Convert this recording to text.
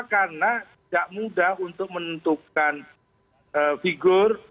karena tidak mudah untuk menentukan figur